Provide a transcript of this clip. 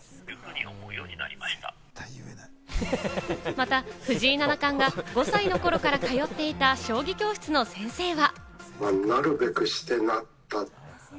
また藤井七冠が５歳の頃から通っていた将棋教室の先生は。